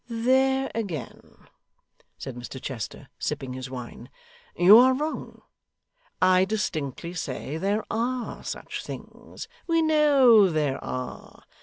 'There again,' said Mr Chester, sipping his wine, 'you are wrong. I distinctly say there are such things. We know there are.